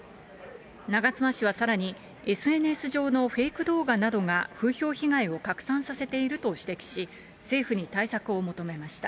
長妻氏はさらに、ＳＮＳ上のフェイク動画などが風評被害を拡散させていると指摘し、政府に対策を求めました。